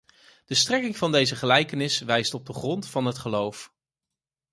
De strekking van deze gelijkenis wijst op de grond van het geloof.